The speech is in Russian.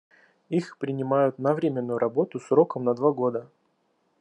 Их принимают на временную работу сроком на два года.